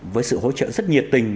với sự hỗ trợ rất nhiệt tình